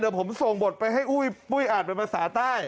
เดี๋ยวผมส่งบทไปให้ปุ๊ยอาจไปมาสาวไทย